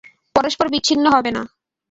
পরস্পর বিচ্ছিন্ন হবে না।